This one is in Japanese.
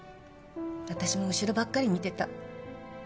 私も後ろばっかり見てた。